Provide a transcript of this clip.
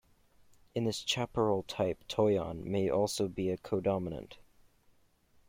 In this chaparral type toyon may also be a co-dominant.